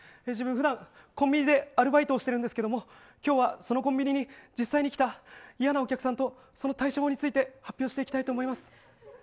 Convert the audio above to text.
自分、普段コンビニでアルバイトをしているんですけど今日はそのコンビニに実際に来た嫌なお客さんとその対処法について発表していきたいと思います。